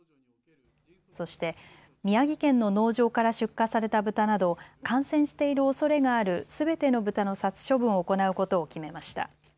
そして、宮城県の農場から出荷されたブタなど感染しているおそれがあるすべてのブタの殺処分を行うことを決めました。